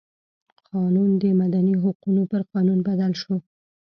قانون د مدني حقونو پر قانون بدل شو.